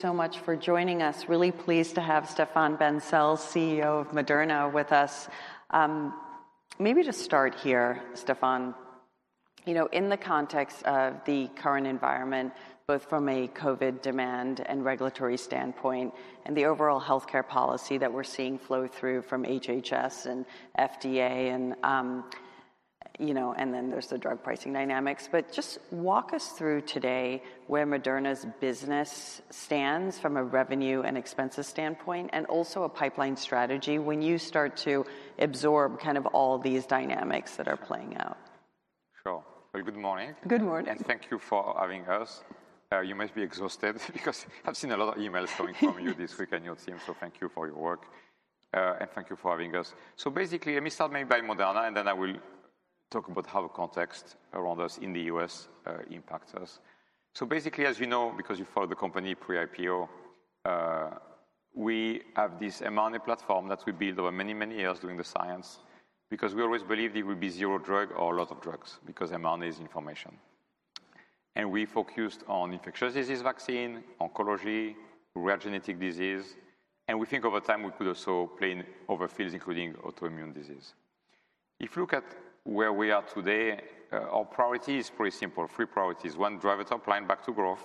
so much for joining us. Really pleased to have Stéphane Bancel, CEO of Moderna, with us. Maybe to start here, Stéphane, you know, in the context of the current environment, both from a COVID demand and regulatory standpoint, and the overall healthcare policy that we're seeing flow through from HHS and FDA, and, you know, and then there's the drug pricing dynamics. Just walk us through today where Moderna's business stands from a revenue and expenses standpoint, and also a pipeline strategy when you start to absorb kind of all these dynamics that are playing out. Sure. Good morning. Good morning. Thank you for having us. You must be exhausted because I have seen a lot of emails coming from you this week and your team, so thank you for your work. Thank you for having us. Basically, let me start maybe by Moderna, and then I will talk about how the context around us in the U.S. impacts us. Basically, as you know, because you follow the company pre-IPO, we have this mRNA platform that we built over many, many years doing the science because we always believed it would be zero drug or a lot of drugs because mRNA's information. We focused on infectious disease vaccine, oncology, rare genetic disease, and we think over time we could also play in other fields including autoimmune disease. If you look at where we are today, our priority is pretty simple, three priorities. One, drive a top line back to growth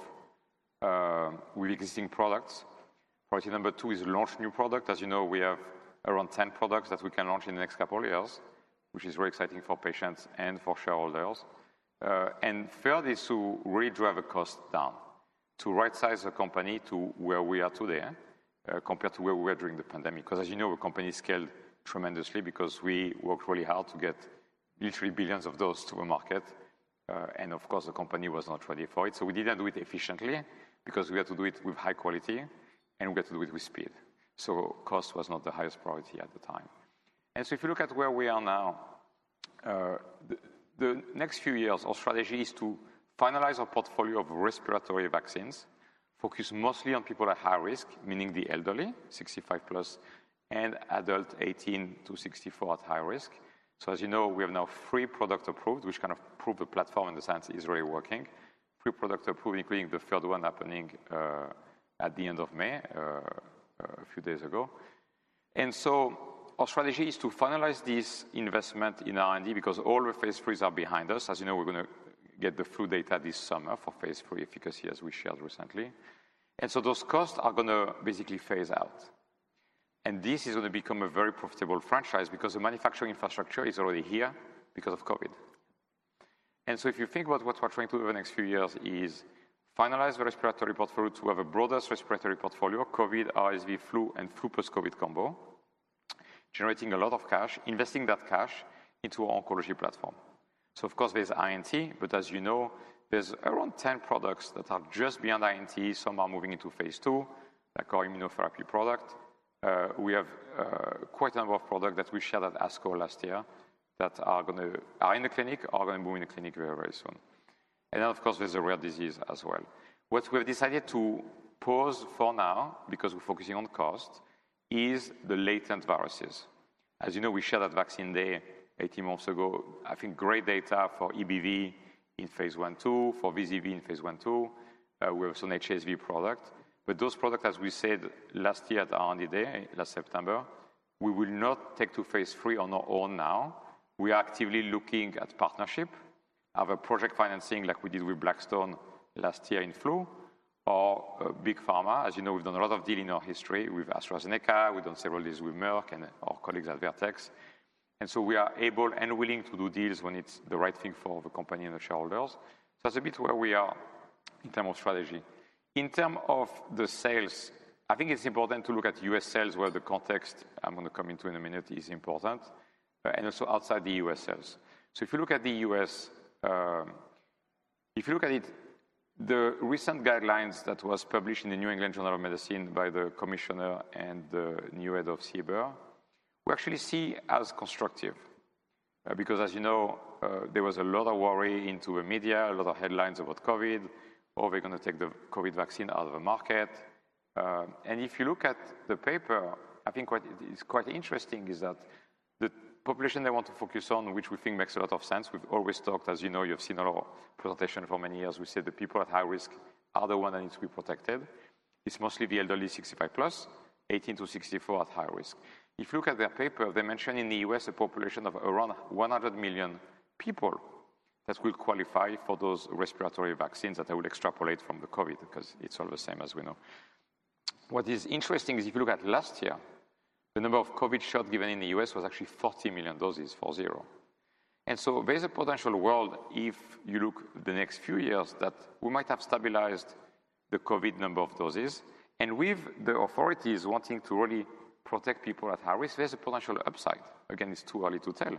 with existing products. Priority number two is launch new products. As you know, we have around 10 products that we can launch in the next couple of years, which is very exciting for patients and for shareholders. Third is to really drive a cost down, to right-size the company to where we are today compared to where we were during the pandemic. Because as you know, the company scaled tremendously because we worked really hard to get literally billions of those to the market. Of course, the company was not ready for it. We did not do it efficiently because we had to do it with high quality and we had to do it with speed. Cost was not the highest priority at the time. If you look at where we are now, the next few years, our strategy is to finalize our portfolio of respiratory vaccines, focus mostly on people at high-risk, meaning the elderly, 65 plus, and adults 18-64 at high-risk. As you know, we have now three products approved, which kind of prove the platform and the science is really working. Three products approved, including the third one happening at the end of May, a few days ago. Our strategy is to finalize this investment in R&D because all the phase III are behind us. As you know, we're going to get the flu data this summer for phase III efficacy, as we shared recently. Those costs are going to basically phase out. This is going to become a very profitable franchise because the manufacturing infrastructure is already here because of COVID. If you think about what we are trying to do over the next few years, it is finalize the respiratory portfolio to have a broader respiratory portfolio, COVID, RSV, flu, and flu plus COVID combo, generating a lot of cash, investing that cash into our oncology platform. Of course, there is INT, but as you know, there are around 10 products that are just beyond INT. Some are moving into phase II, like our immunotherapy product. We have quite a number of products that we shared at ASCO last year that are going to, are in the clinic, are going to move into clinic very, very soon. Of course, there is a rare disease as well. What we have decided to pause for now because we're focusing on cost is the latent viruses. As you know, we shared that vaccine day 18 months ago. I think great data for EBV in phase I too, for VZV in phase I too. We have some HSV product. But those products, as we said last year at R&D day, last September, we will not take to phase III on our own now. We are actively looking at partnership, have a project financing like we did with Blackstone last year in flu, or Big Pharma. As you know, we've done a lot of deal in our history with AstraZeneca. We've done several deals with Merck and our colleagues at Vertex. And so we are able and willing to do deals when it's the right thing for the company and the shareholders. That's a bit where we are in terms of strategy. In terms of the sales, I think it's important to look at U.S. sales where the context I'm going to come into in a minute is important, and also outside the U.S. sales. If you look at the U.S., if you look at it, the recent guidelines that were published in The New England Journal of Medicine by the Commissioner and the new head of CBER, we actually see as constructive because as you know, there was a lot of worry in the media, a lot of headlines about COVID, or they're going to take the COVID vaccine out of the market. If you look at the paper, I think what is quite interesting is that the population they want to focus on, which we think makes a lot of sense, we've always talked, as you know, you've seen our presentation for many years, we said the people at high-risk are the ones that need to be protected. It's mostly the elderly, 65 plus, 18-64 at high-risk. If you look at their paper, they mention in the U.S. a population of around 100 million people that will qualify for those respiratory vaccines that I will extrapolate from the COVID because it's sort of the same as we know. What is interesting is if you look at last year, the number of COVID shots given in the U.S. was actually 40 million doses, four zero. There is a potential world if you look the next few years that we might have stabilized the COVID number of doses. With the authorities wanting to really protect people at high-risk, there is a potential upside. Again, it is too early to tell.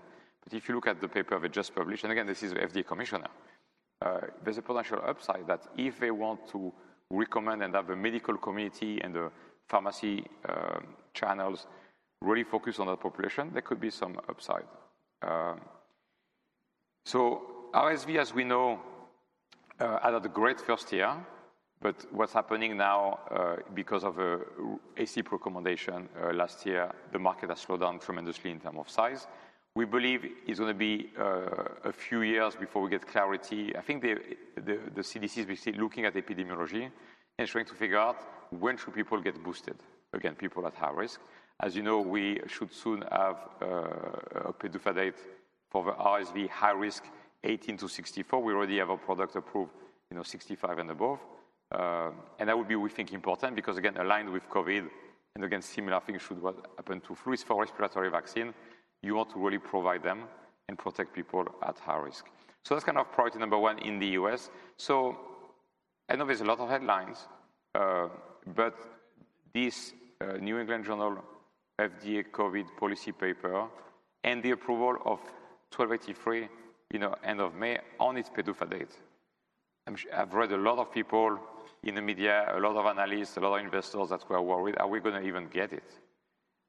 If you look at the paper we just published, and again, this is the FDA commissioner, there is a potential upside that if they want to recommend and have the medical community and the pharmacy channels really focus on that population, there could be some upside. RSV, as we know, had a great first year, but what is happening now because of an ACIP recommendation last year, the market has slowed down tremendously in terms of size. We believe it is going to be a few years before we get clarity. I think the CDC is basically looking at epidemiology and trying to figure out when should people get boosted, again, people at high-risk. As you know, we should soon have a pseudovirus for the RSV high-risk, 18 to 64. We already have a product approved in 65 and above. That would be, we think, important because, again, aligned with COVID and again, similar things should happen to flu. It is for respiratory vaccine. You want to really provide them and protect people at high-risk. That is kind of priority number one in the U.S.. I know there is a lot of headlines, but this New England Journal FDA COVID policy paper and the approval of 1283, you know, end of May on its pseudovirus. I've read a lot of people in the media, a lot of analysts, a lot of investors that were worried, are we going to even get it?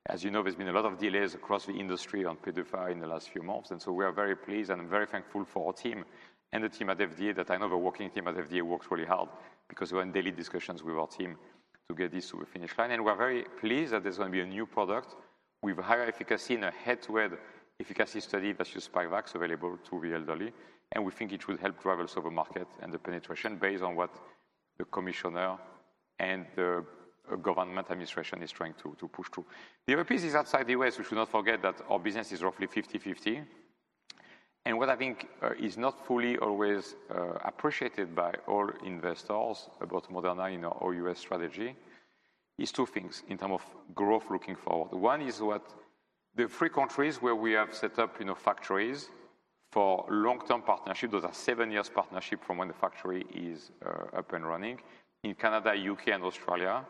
As you know, there's been a lot of delays across the industry on [PFI] in the last few months. We are very pleased and very thankful for our team and the team at FDA. I know the working team at FDA works really hard because we're in daily discussions with our team to get this to a finish line. We are very pleased that there's going to be a new product with higher efficacy in a head-to-head efficacy study that's just Spikevax available to the elderly. We think it should help drive also the market and the penetration based on what the Commissioner and the government administration is trying to push through. The other piece is outside the U.S. We should not forget that our business is roughly 50/50. And what I think is not fully always appreciated by all investors about Moderna, you know, our U.S. strategy is two things in terms of growth looking forward. One is what the three countries where we have set up, you know, factories for long-term partnership. Those are seven years partnership from when the factory is up and running in Canada, U.K., and Australia.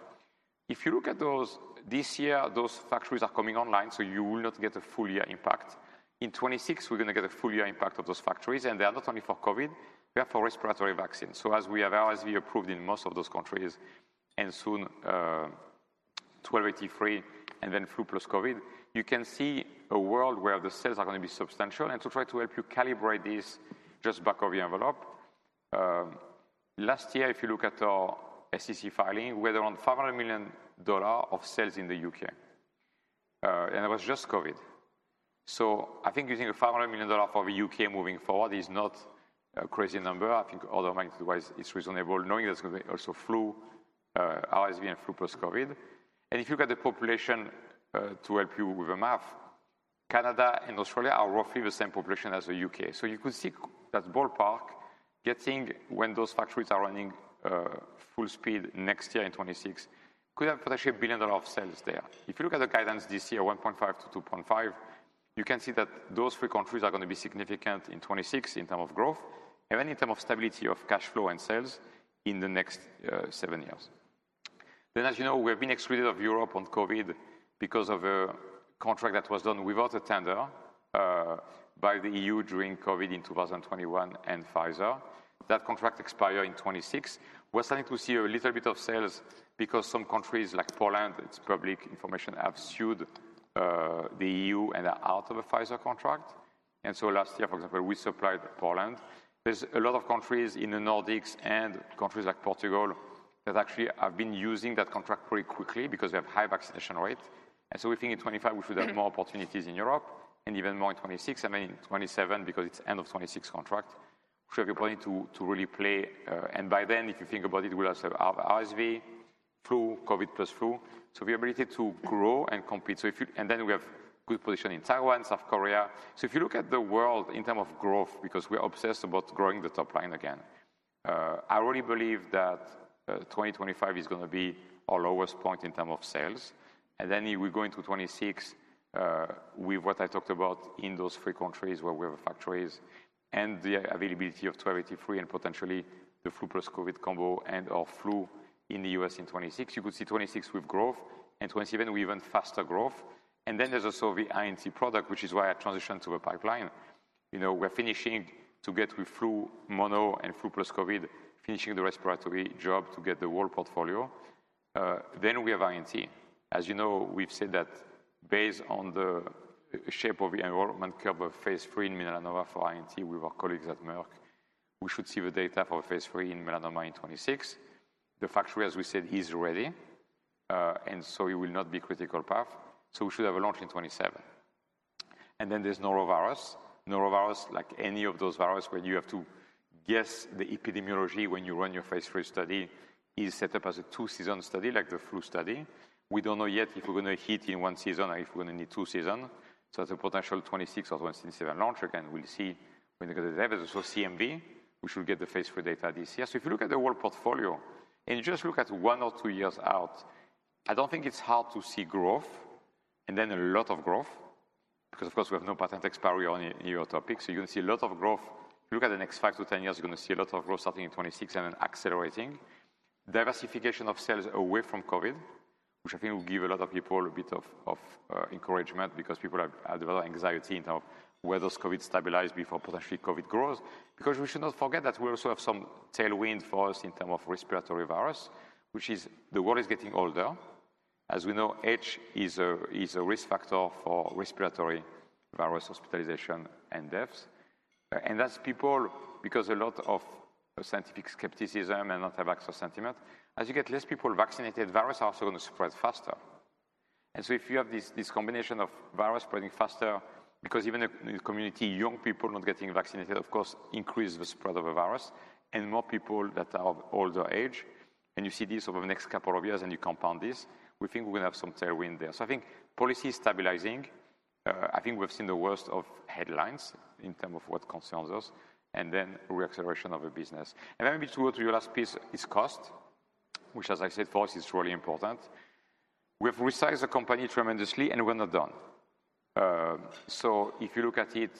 If you look at those, this year, those factories are coming online, so you will not get a full year impact. In 2026, we're going to get a full year impact of those factories. And they are not only for COVID. They are for respiratory vaccine. As we have RSV approved in most of those countries and soon 1283 and then flu plus COVID, you can see a world where the sales are going to be substantial. To try to help you calibrate this just back of your envelope, last year, if you look at our SEC filing, we had around $500 million of sales in the U.K. and it was just COVID. I think using a $500 million for the U.K. moving forward is not a crazy number. I think other market-wise it's reasonable knowing there's going to be also flu, RSV, and flu plus COVID. If you look at the population, to help you with the math, Canada and Australia are roughly the same population as the U.K. You could see that ballpark getting when those factories are running full speed next year in 2026, could have potentially $1 billion sales there. If you look at the guidance this year, $1.5 billion-$2.5 billion, you can see that those three countries are going to be significant in 2026 in terms of growth and then in terms of stability of cash flow and sales in the next seven years. As you know, we have been excluded of Europe on COVID because of a contract that was done without a tender by the EU during COVID in 2021 and Pfizer. That contract expired in 2026. We're starting to see a little bit of sales because some countries like Poland, it's public information, have sued the EU and are out of a Pfizer contract. Last year, for example, we supplied Poland. There's a lot of countries in the Nordics and countries like Portugal that actually have been using that contract pretty quickly because we have high vaccination rate. I mean, we think in 2025, we should have more opportunities in Europe and even more in 2026. I mean, in 2027 because it's end of 2026 contract, we should have the ability to really play. And by then, if you think about it, we'll have RSV, flu, COVID plus flu. So the ability to grow and compete. If you, and then we have good position in Taiwan, South Korea. If you look at the world in terms of growth, because we're obsessed about growing the top line again, I really believe that 2025 is going to be our lowest point in terms of sales. We go into 2026 with what I talked about in those three countries where we have factories and the availability of 1283 and potentially the flu plus COVID combo and our flu in the U.S. in 2026. You could see 2026 with growth and 2027 with even faster growth. There is also the INT product, which is why I transitioned to the pipeline. You know, we're finishing to get with flu, mono, and flu plus COVID, finishing the respiratory job to get the whole portfolio. Then we have INT. As you know, we've said that based on the shape of the environment curve of phase III in melanoma for INT with our colleagues at Merck, we should see the data for phase III in melanoma in 2026. The factory, as we said, is ready. It will not be critical path. We should have a launch in 2027. Then there's norovirus. Norovirus, like any of those viruses where you have to guess the epidemiology when you run your phase III study, is set up as a two-season study like the flu study. We do not know yet if we're going to hit in one season or if we're going to need two seasons. That's a potential 2026 or 2027 launch. Again, we'll see when we get the data. There's also CMV. We should get the phase III data this year. If you look at the whole portfolio and you just look at one or two years out, I do not think it's hard to see growth and then a lot of growth because, of course, we have no patent expiry on your topic. You're going to see a lot of growth. If you look at the next five to ten years, you're going to see a lot of growth starting in 2026 and then accelerating. Diversification of sales away from COVID, which I think will give a lot of people a bit of encouragement because people have developed anxiety in terms of whether COVID stabilizes before potentially COVID grows. We should not forget that we also have some tailwind for us in terms of respiratory virus, which is the world is getting older. As we know, age is a risk factor for respiratory virus hospitalization and deaths. That's people, because a lot of scientific skepticism and anti-vaxxer sentiment, as you get less people vaccinated, viruses are also going to spread faster. If you have this combination of virus spreading faster, because even in the community, young people not getting vaccinated, of course, increases the spread of the virus and more people that are of older age. You see this over the next couple of years and you compound this, we think we're going to have some tailwind there. I think policy is stabilizing. I think we've seen the worst of headlines in terms of what concerns us and then reacceleration of the business. Maybe to go to your last piece is cost, which, as I said, for us, it's really important. We have resized the company tremendously and we're not done. If you look at it,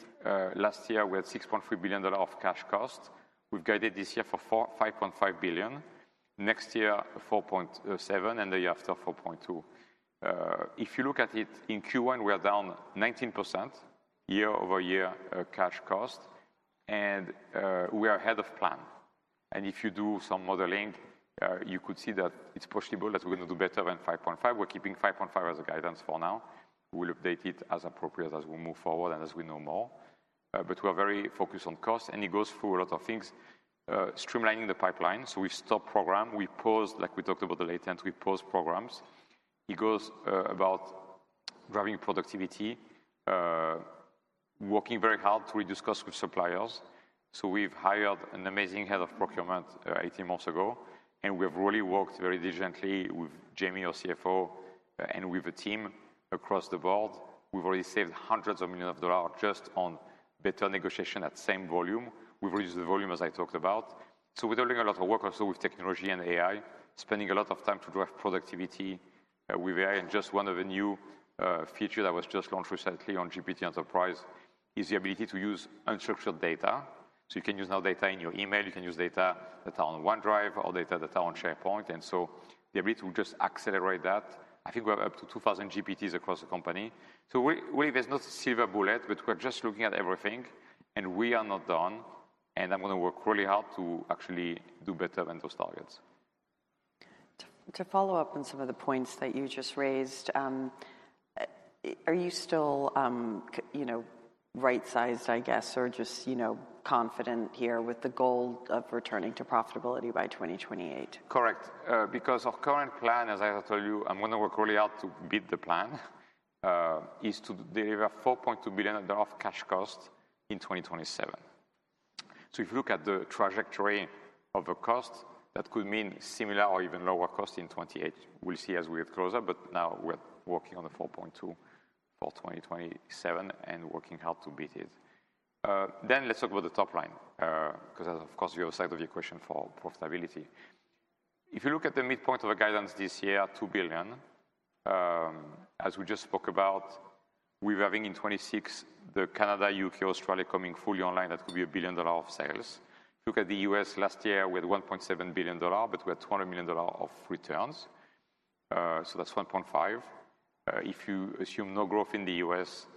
last year we had $6.3 billion of cash cost. We've guided this year for $5.5 billion. Next year, $4.7 billion and the year after, $4.2 billion. If you look at it in Q1, we are down 19% year-over-year cash cost and we are ahead of plan. If you do some modeling, you could see that it's possible that we're going to do better than $5.5 billion. We're keeping $5.5 billion as a guidance for now. We'll update it as appropriate as we move forward and as we know more. We are very focused on cost and it goes through a lot of things. Streamlining the pipeline. We stop program. We pause, like we talked about the latent, we pause programs. It goes about driving productivity, working very hard to reduce costs with suppliers. We have hired an amazing head of procurement 18 months ago and we have really worked very diligently with Jamey, our CFO, and with the team across the board. We've already saved hundreds of millions of dollars just on better negotiation at same volume. We've reduced the volume, as I talked about. We're doing a lot of work also with technology and AI, spending a lot of time to drive productivity with AI. Just one of the new features that was just launched recently on GPT Enterprise is the ability to use unstructured data. You can use now data in your email. You can use data that are on OneDrive or data that are on SharePoint. The ability to just accelerate that. I think we have up to 2,000 GPTs across the company. Really, there's no silver bullet, but we're just looking at everything and we are not done. I'm going to work really hard to actually do better than those targets. To follow up on some of the points that you just raised, are you still, you know, right-sized, I guess, or just, you know, confident here with the goal of returning to profitability by 2028? Correct. Because our current plan, as I have told you, I'm going to work really hard to beat the plan, is to deliver $4.2 billion of cash cost in 2027. So if you look at the trajectory of the cost, that could mean similar or even lower cost in 2028. We'll see as we get closer, but now we're working on the $4.2 billion for 2027 and working hard to beat it. Let's talk about the top line because, of course, you have a side of your question for profitability. If you look at the midpoint of a guidance this year, $2 billion, as we just spoke about, we're having in 2026 the Canada, U.K., Australia coming fully online. That could be a billion dollar of sales. If you look at the U.S. last year, we had $1.7 billion, but we had $200 million of returns. So that's $1.5 billion. If you assume no growth in the U.S.,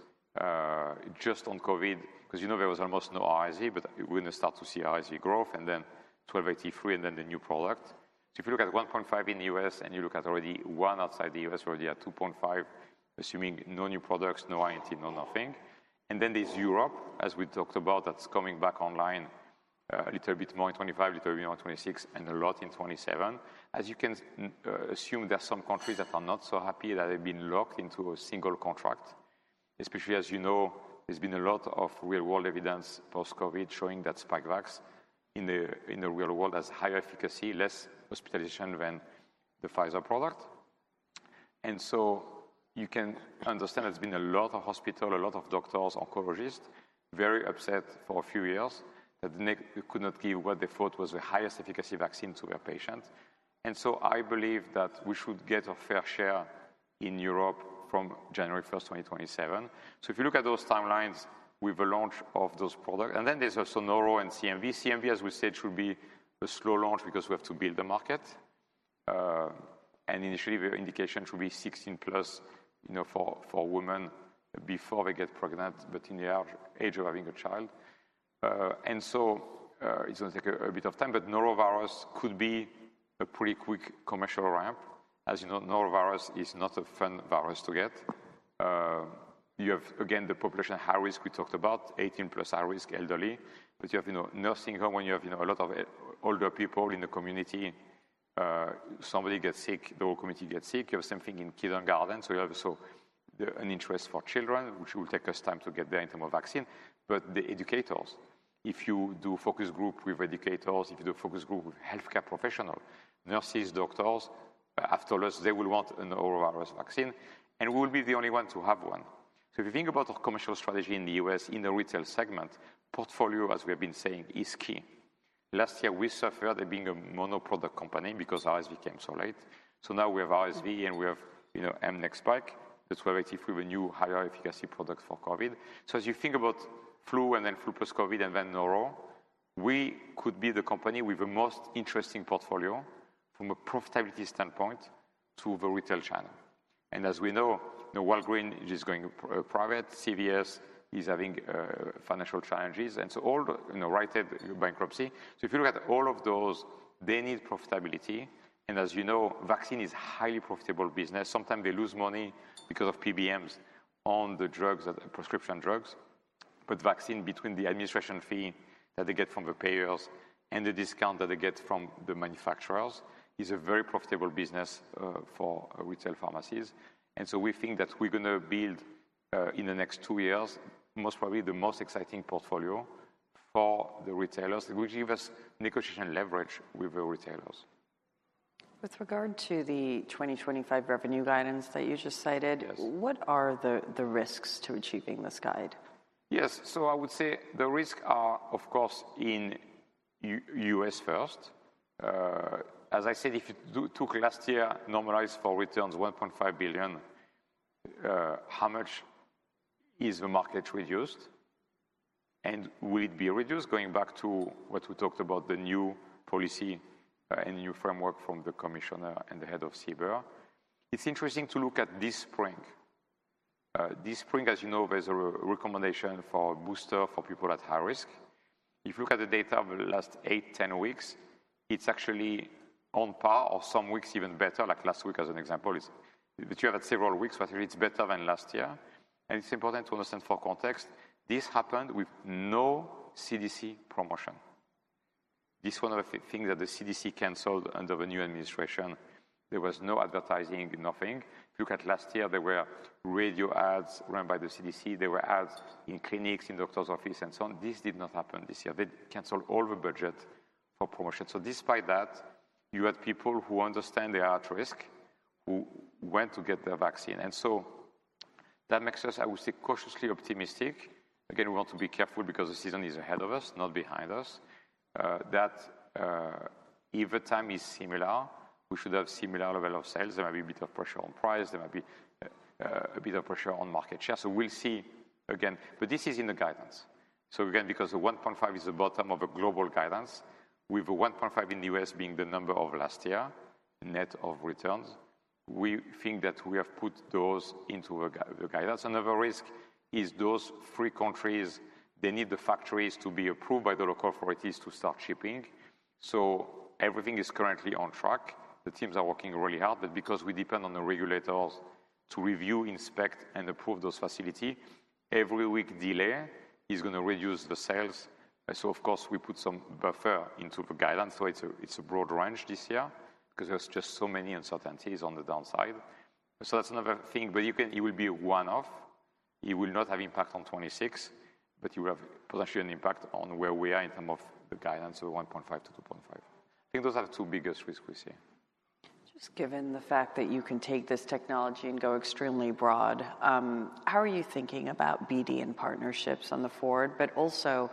just on COVID, because you know there was almost no RSV, but we're going to start to see RSV growth and then 1283 and then the new product. If you look at $1.5 billion in the U.S. and you look at already one outside the U.S., we're already at $2.5 billion, assuming no new products, no INT, no nothing. There is Europe, as we talked about, that's coming back online a little bit more in 2025, a little bit more in 2026, and a lot in 2027. As you can assume, there are some countries that are not so happy that they've been locked into a single contract, especially as you know, there's been a lot of real-world evidence post-COVID showing that Spikevax in the real world has higher efficacy, less hospitalization than the Pfizer product. You can understand there's been a lot of hospital, a lot of doctors, oncologists very upset for a few years that they could not give what they thought was the highest efficacy vaccine to their patients. I believe that we should get a fair share in Europe from January 1st, 2027. If you look at those timelines with the launch of those products, and then there's also Noro and CMV. CMV, as we said, should be a slow launch because we have to build the market. Initially, the indication should be 16 plus, you know, for women before they get pregnant, but in the age of having a child. It's going to take a bit of time, but norovirus could be a pretty quick commercial ramp. As you know, norovirus is not a fun virus to get. You have, again, the population high-risk we talked about, 18 plus high-risk elderly. You have, you know, nursing home when you have, you know, a lot of older people in the community. Somebody gets sick, the whole community gets sick. You have something in kindergarten. You have also an interest for children, which will take us time to get there in terms of vaccine. The educators, if you do focus group with educators, if you do focus group with healthcare professionals, nurses, doctors, after all this, they will want a norovirus vaccine. We will be the only ones to have one. If you think about our commercial strategy in the U.S. in the retail segment, portfolio, as we have been saying, is key. Last year, we suffered at being a mono product company because RSV came so late. Now we have RSV and we have, you know, Spikevax, the 1283, the new higher efficacy product for COVID. As you think about flu and then flu plus COVID and then Noro, we could be the company with the most interesting portfolio from a profitability standpoint to the retail channel. As we know, you know, Walgreens is going private. CVS is having financial challenges. All, you know, right ahead bankruptcy. If you look at all of those, they need profitability. As you know, vaccine is a highly profitable business. Sometimes they lose money because of PBMs on the drugs, the prescription drugs. Vaccine, between the administration fee that they get from the payers and the discount that they get from the manufacturers, is a very profitable business for retail pharmacies. We think that we're going to build in the next two years, most probably the most exciting portfolio for the retailers, which gives us negotiation leverage with the retailers. With regard to the 2025 revenue guidance that you just cited, what are the risks to achieving this guide? Yes. I would say the risks are, of course, in U.S. first. As I said, if you took last year normalized for returns $1.5 billion, how much is the market reduced? And will it be reduced? Going back to what we talked about, the new policy and new framework from the Commissioner and the head of CBER. It's interesting to look at this spring. This spring, as you know, there's a recommendation for a booster for people at high-risk. If you look at the data of the last eight, 10 weeks, it's actually on par or some weeks even better, like last week as an example. You have had several weeks where it's better than last year. It's important to understand for context, this happened with no CDC promotion. This is one of the things that the CDC canceled under the new administration. There was no advertising, nothing. If you look at last year, there were radio ads run by the CDC. There were ads in clinics, in doctors' offices, and so on. This did not happen this year. They canceled all the budget for promotion. Despite that, you had people who understand they are at risk, who went to get their vaccine. That makes us, I would say, cautiously optimistic. Again, we want to be careful because the season is ahead of us, not behind us, that if the time is similar, we should have a similar level of sales. There might be a bit of pressure on price. There might be a bit of pressure on market share. We will see again. This is in the guidance. Again, because the $1.5 billion is the bottom of a global guidance, with the $1.5 billion in the U.S. being the number of last year net of returns, we think that we have put those into the guidance. Another risk is those three countries, they need the factories to be approved by the local authorities to start shipping. Everything is currently on track. The teams are working really hard. Because we depend on the regulators to review, inspect, and approve those facilities, every week delay is going to reduce the sales. Of course, we put some buffer into the guidance. It is a broad range this year because there are just so many uncertainties on the downside. That is another thing. It will be one-off. It will not have impact on 2026, but it will have potentially an impact on where we are in terms of the guidance of $1.5 billion-$2.5 billion. I think those are the two biggest risks we see. Just given the fact that you can take this technology and go extremely broad, how are you thinking about BD and partnerships on the forward? But also,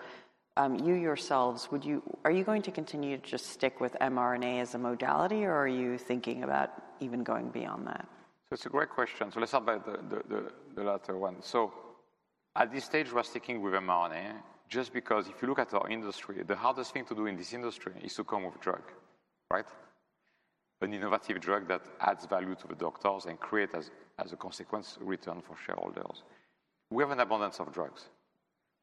you yourselves, are you going to continue to just stick with mRNA as a modality, or are you thinking about even going beyond that? It's a great question. Let's start by the latter one. At this stage, we're sticking with mRNA just because if you look at our industry, the hardest thing to do in this industry is to come with a drug, right? An innovative drug that adds value to the doctors and creates, as a consequence, return for shareholders. We have an abundance of drugs.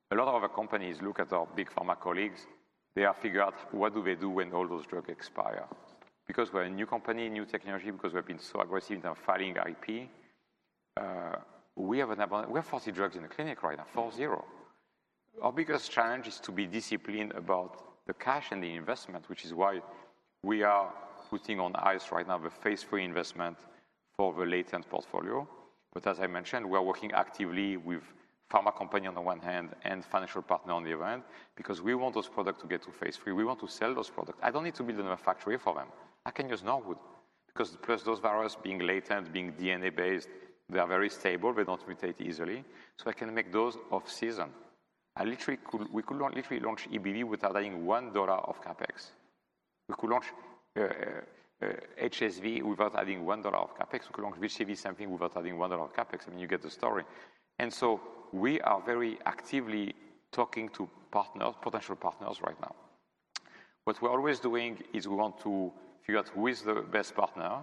A lot of our companies look at our Big Pharma colleagues. They have figured out what do they do when all those drugs expire. Because we're a new company, new technology, because we've been so aggressive in terms of filing IP, we have an abundance. We have 40 drugs in the clinic right now, four zero. Our biggest challenge is to be disciplined about the cash and the investment, which is why we are putting on ice right now the phase III investment for the latent portfolio. As I mentioned, we're working actively with pharma companies on the one hand and financial partners on the other hand because we want those products to get to phase III. We want to sell those products. I don't need to build another factory for them. I can use norovirus because plus those viruses being latent, being DNA-based, they are very stable. They do not mutate easily. I can make those off season. I literally could, we could literally launch EBV without adding $1 of CapEx. We could launch HSV without adding $1 of CapEx. We could launch VZV something without adding $1 of CapEx. I mean, you get the story. We are very actively talking to partners, potential partners right now. What we are always doing is we want to figure out who is the best partner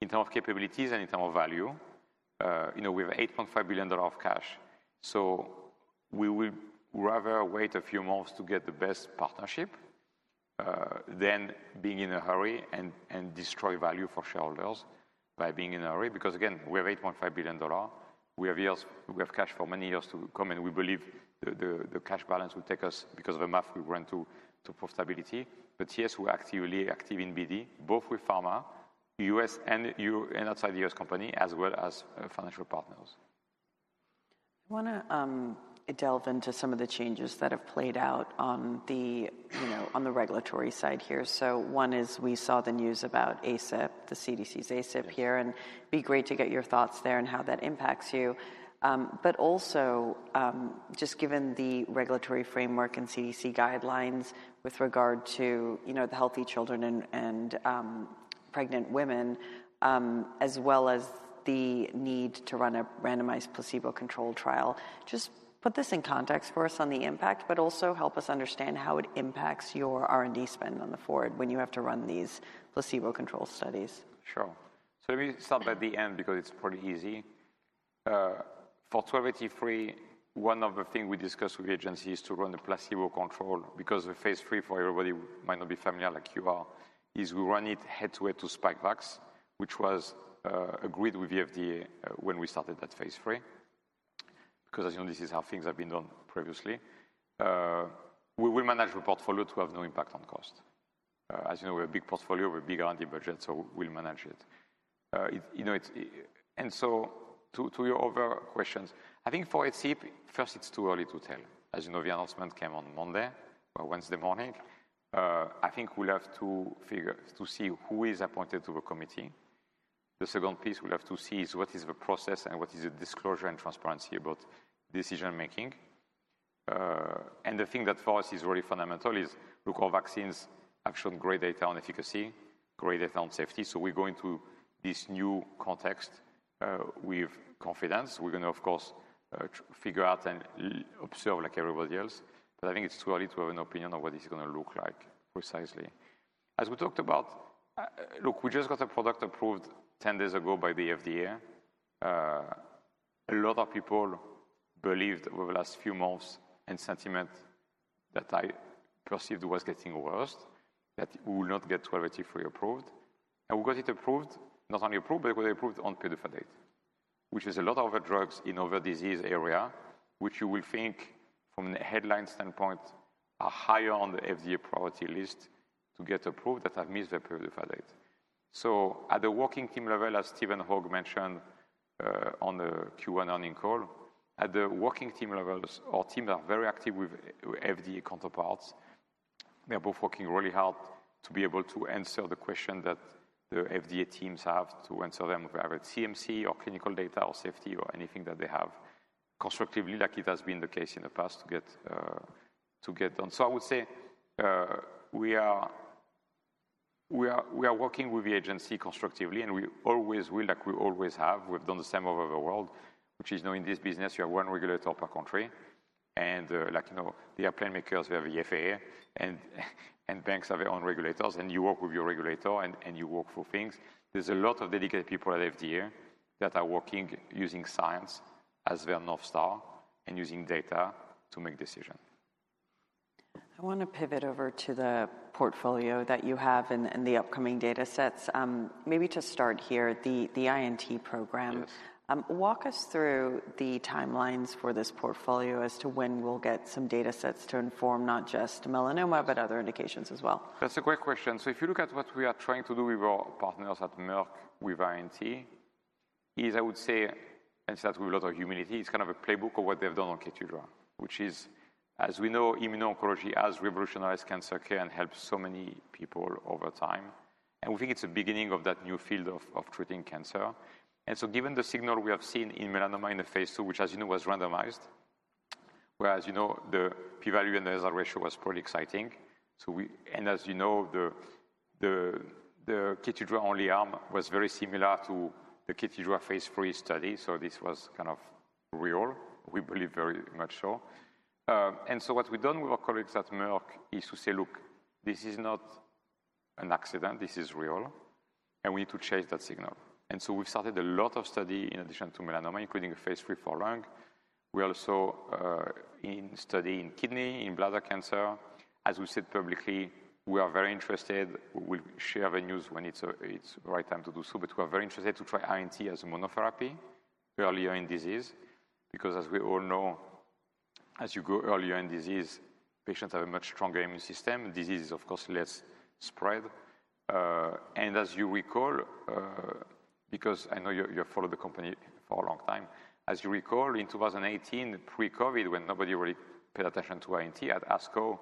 in terms of capabilities and in terms of value. You know, we have $8.5 billion of cash. We would rather wait a few months to get the best partnership than being in a hurry and destroy value for shareholders by being in a hurry. Because again, we have $8.5 billion. We have years, we have cash for many years to come. We believe the cash balance will take us because of the math we've run to profitability. Yes, we're actively active in BD, both with pharma, U.S. and outside the U.S. company, as well as financial partners. I want to delve into some of the changes that have played out on the, you know, on the regulatory side here. One is we saw the news about ACIP, the CDC's ACIP here, and it'd be great to get your thoughts there and how that impacts you. But also, just given the regulatory framework and CDC guidelines with regard to, you know, the healthy children and pregnant women, as well as the need to run a randomized placebo-controlled trial, just put this in context for us on the impact, but also help us understand how it impacts your R&D spend on the forward when you have to run these placebo-controlled studies? Sure. Let me start by the end because it's pretty easy. For 1283, one of the things we discussed with the agency is to run a placebo control because the phase III for everybody might not be familiar like you are, is we run it head to head to Spikevax, which was agreed with FDA when we started that phase III. Because as you know, this is how things have been done previously. We will manage the portfolio to have no impact on cost. As you know, we have a big portfolio, we have a big R&D budget, so we'll manage it. You know, and so to your other questions, I think for ACIP, first, it's too early to tell. As you know, the announcement came on Monday or Wednesday morning. I think we'll have to figure to see who is appointed to the committee. The second piece we'll have to see is what is the process and what is the disclosure and transparency about decision-making. The thing that for us is really fundamental is, look, our vaccines have shown great data on efficacy, great data on safety. We're going to this new context with confidence. We're going to, of course, figure out and observe like everybody else. I think it's too early to have an opinion on what it's going to look like precisely. As we talked about, look, we just got a product approved 10 days ago by the FDA. A lot of people believed over the last few months and sentiment that I perceived was getting worse, that we will not get 1283 approved. And we got it approved, not only approved, but we got it approved on the PDUFA date, which is a lot of other drugs in other disease areas, which you will think from a headline standpoint are higher on the FDA priority list to get approved that have missed their PDUFA date. At the working team level, as Stephen Hoge mentioned on the Q1 earning call, at the working team levels, our teams are very active with FDA counterparts. They're both working really hard to be able to answer the question that the FDA teams have to answer them with either CMC or clinical data or safety or anything that they have constructively, like it has been the case in the past to get done. I would say we are working with the agency constructively, and we always will, like we always have. We've done the same over the world, which is, you know, in this business, you have one regulator per country. Like, you know, they are plan makers, they have the FAA, and banks have their own regulators, and you work with your regulator and you work for things. There's a lot of dedicated people at FDA that are working using science as their North Star and using data to make decisions. I want to pivot over to the portfolio that you have and the upcoming data sets. Maybe to start here, the INT program. Walk us through the timelines for this portfolio as to when we'll get some data sets to inform not just melanoma, but other indications as well. That's a great question. If you look at what we are trying to do with our partners at Merck with INT, I would say, and I say that with a lot of humility, it's kind of a playbook of what they've done on KEYTRUDA, which is, as we know, immuno-oncology has revolutionized cancer care and helped so many people over time. We think it's the beginning of that new field of treating cancer. Given the signal we have seen in melanoma in the phase II, which, as you know, was randomized, whereas, you know, the P-value and the hazard ratio was pretty exciting. We, and as you know, the KEYTRUDA only arm was very similar to the KEYTRUDA phase III study. This was kind of real. We believe very much so. What we have done with our colleagues at Merck is to say, look, this is not an accident. This is real. We need to chase that signal. We have started a lot of studies in addition to melanoma, including a phase III for lung. We also study in kidney, in bladder cancer. As we said publicly, we are very interested. We will share the news when it is the right time to do so. We are very interested to try INT as a monotherapy earlier in disease. Because as we all know, as you go earlier in disease, patients have a much stronger immune system. Disease is, of course, less spread. And as you recall, because I know you've followed the company for a long time, as you recall, in 2018, pre-COVID, when nobody really paid attention to INT at ASCO,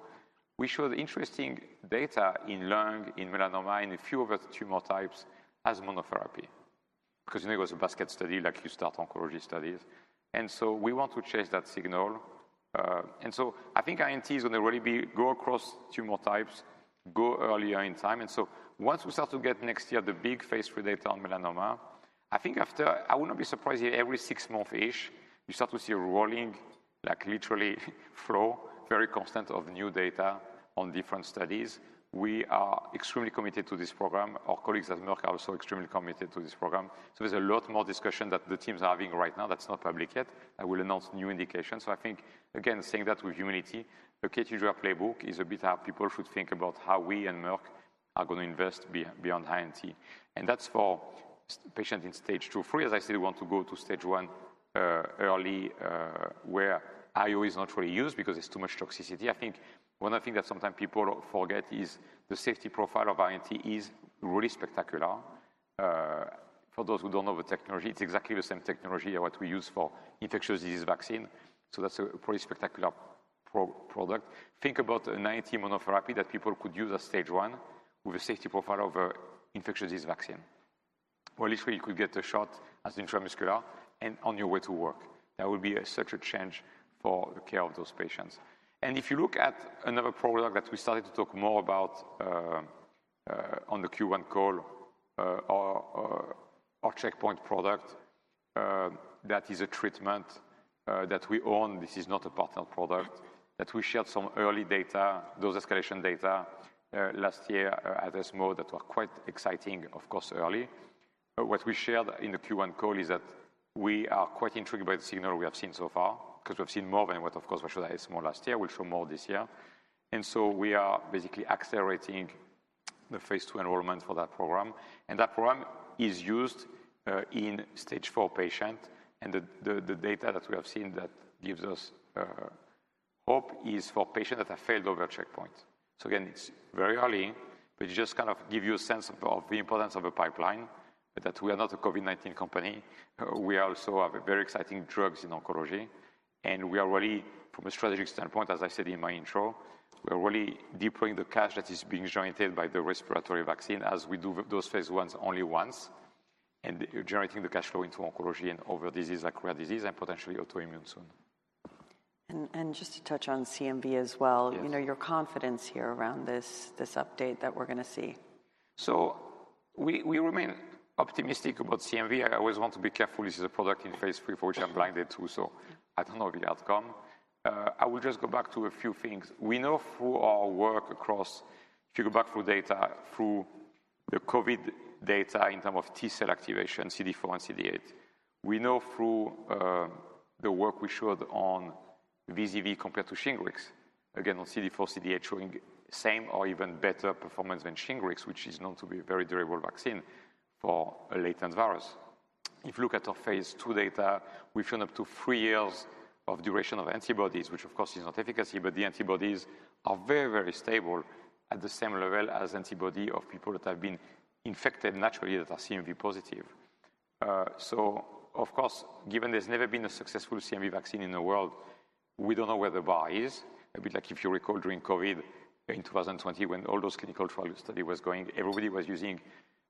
we showed interesting data in lung, in melanoma, in a few of the tumor types as monotherapy. Because you know, it was a basket study, like you start oncology studies. And so we want to chase that signal. And so I think INT is going to really go across tumor types, go earlier in time. Once we start to get next year the big phase III data on melanoma, I think after, I would not be surprised if every six months-ish, you start to see a rolling, like literally flow, very constant of new data on different studies. We are extremely committed to this program. Our colleagues at Merck are also extremely committed to this program. There is a lot more discussion that the teams are having right now that is not public yet. I will announce new indications. I think, again, saying that with humility, the KEYTRUDA playbook is a bit how people should think about how we and Merck are going to invest beyond INT. That is for patients in stage 2 or 3. As I said, we want to go to stage 1 early, where IO is not really used because there is too much toxicity. I think one of the things that sometimes people forget is the safety profile of INT is really spectacular. For those who don't know the technology, it's exactly the same technology that we use for infectious disease vaccine. So that's a pretty spectacular product. Think about an INT monotherapy that people could use at stage one with a safety profile of an infectious disease vaccine. Literally, you could get the shot as intramuscular and on your way to work. That would be such a change for the care of those patients. If you look at another product that we started to talk more about on the Q1 call, our checkpoint product, that is a treatment that we own. This is not a partner product. We shared some early data, those escalation data last year at ASCO that were quite exciting, of course, early. What we shared in the Q1 call is that we are quite intrigued by the signal we have seen so far, because we've seen more than what, of course, we showed at ASCO last year. We'll show more this year. We are basically accelerating the phase II enrollment for that program. That program is used in stage four patients. The data that we have seen that gives us hope is for patients that have failed over checkpoint. It is very early, but it just kind of gives you a sense of the importance of a pipeline, that we are not a COVID-19 company. We also have very exciting drugs in oncology. From a strategic standpoint, as I said in my intro, we are really deploying the cash that is being generated by the respiratory vaccine as we do those phase I only once. Generating the cash flow into oncology and over disease like rare disease and potentially autoimmune soon. Just to touch on CMV as well, you know, your confidence here around this update that we're going to see. We remain optimistic about CMV. I always want to be careful. This is a product in phase III for which I'm blinded too. I do not know the outcome. I will just go back to a few things. We know through our work across, if you go back through data, through the COVID data in terms of T-cell activation, CD4 and CD8, we know through the work we showed on VZV compared to Shingrix, again, on CD4, CD8 showing same or even better performance than Shingrix, which is known to be a very durable vaccine for a latent virus. If you look at our phase II data, we've shown up to three years of duration of antibodies, which of course is not efficacy, but the antibodies are very, very stable at the same level as antibody of people that have been infected naturally that are CMV positive. Of course, given there's never been a successful CMV vaccine in the world, we do not know where the bar is. A bit like if you recall during COVID in 2020 when all those clinical trial studies were going, everybody was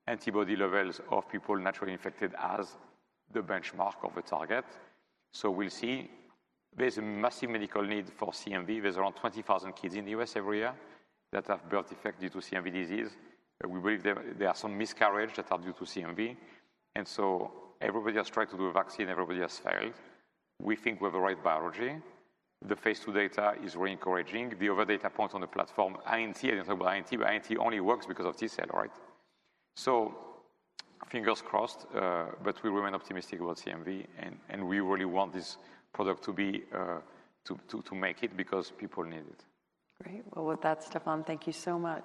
using antibody levels of people naturally infected as the benchmark of a target. We'll see. There's a massive medical need for CMV. There are around 20,000 kids in the U.S. every year that have birth defects due to CMV disease. We believe there are some miscarriages that are due to CMV. Everybody has tried to do a vaccine. Everybody has failed. We think we have the right biology. The phase II data is really encouraging. The other data points on the platform, INT, I did not talk about INT, but INT only works because of T-cell, all right? Fingers crossed, but we remain optimistic about CMV. We really want this product to make it because people need it. Great. With that, Stéphane, thank you so much.